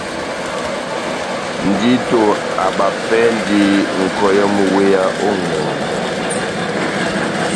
Ndito abapɛndi nʼkɔyɛ mú wéya ó ŋʼhɔngɔ.